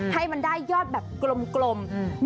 ให้มันได้ยอดแบบกลม